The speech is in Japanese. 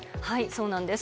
そうなんです。